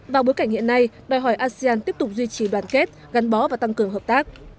vào bối cảnh hiện nay đòi hỏi asean tiếp tục duy trì đoàn kết gắn bó và tăng cường hợp tác